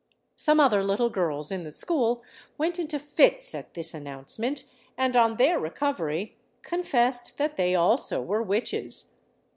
Some other little girls in the school went into fits at this announcement, and, on their recovery, confessed that they also were witches.